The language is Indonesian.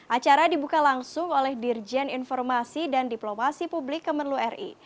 acara dibuka langsung oleh dirjen informasi dan diplomasi publik kemenlu ri